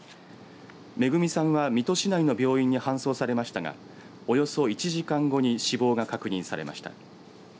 めぐみさんは、水戸市内の病院に搬送されましたがおよそ１時間後に死亡が確認されました。